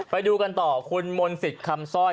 ไปดูกันต่อคุณมนศิษย์คำซ่อย